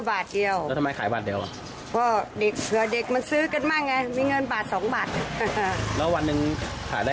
แล้วเวลาขายแล้วเดินร้องอย่างไร